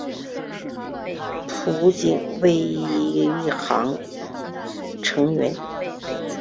浦井唯行成员。